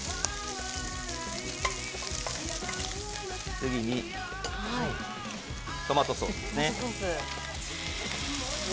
次にトマトソースですね。